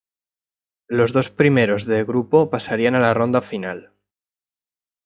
Los dos primeros de grupo pasarían a la ronda final.